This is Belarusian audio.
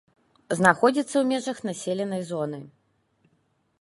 Знаходзіцца ў межах населенай зоны.